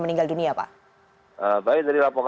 meninggal dunia pak baik dari